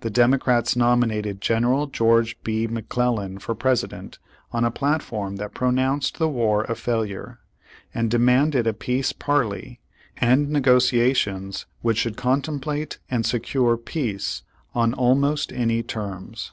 The Democrats nominated General George B. McClellan for President on a platform that pronounced the war a failure, and demanded a peace parley, and negotiations which Page One Hundred lhirty six should contemplate and secure peace on almost any terms.